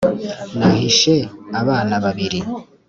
nahishe abana babiri